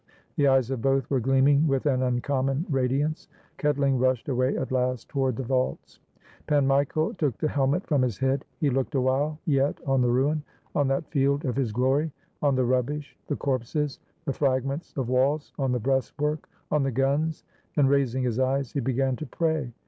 The eyes of both were gleaming with an uncommon radiance. Ketling rushed away at last toward the vaults. Pan Michael took the helmet from his head. He looked awhile yet on the ruin, on that field of his glory, on the rubbish, the corpses, the fragments of walls, on the breastwork, on the guns; then raising his eyes, he began to pray.